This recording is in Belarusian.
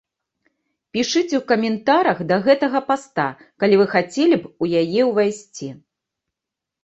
Пішыце ў каментарах да гэтага паста, калі вы хацелі б у яе увайсці.